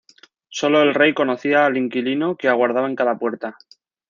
Sólo el rey conocía al inquilino que aguardaba en cada puerta.